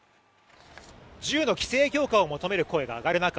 銃の規制強化を求める声が上がる中